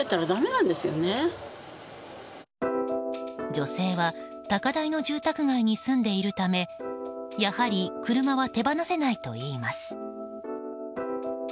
女性は高台の住宅街に住んでいるためやはり車は手放せないといいます。